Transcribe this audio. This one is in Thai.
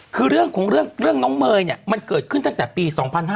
คือเรื่องของน้องเมย์มันเกิดขึ้นตั้งแต่ปี๒๕๖๐